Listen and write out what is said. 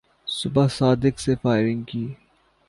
صبح صادق سے فائرنگ کی